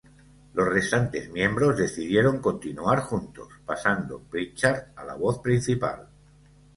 Los restantes miembros decidieron continuar juntos, pasando Pritchard a la voz principal.